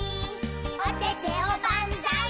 「おててをばんざーい」